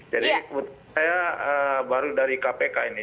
jadi saya baru dari kpk ini